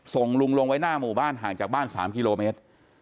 ส่งลุงลงไว้หน้าหมู่บ้านห่างจากบ้าน๓กิโลเมตร